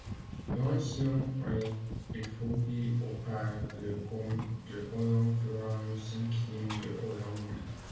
L'ancien a été fondé au par le comte de Hollande Florent V de Hollande.